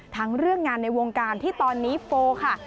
ทั้งเรื่องงานในวงการที่ตอนนี้โฟลค่ะ